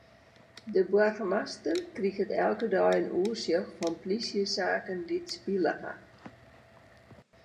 De boargemaster kriget elke dei in oersjoch fan plysjesaken dy't spile ha.